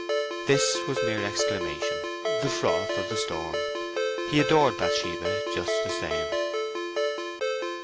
'" This was mere exclamation—the froth of the storm. He adored Bathsheba just the same.